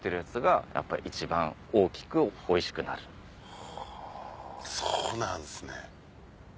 はぁそうなんですね。